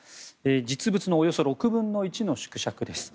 実物のおよそ６分の１の縮尺です。